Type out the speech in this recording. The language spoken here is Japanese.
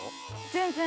全然！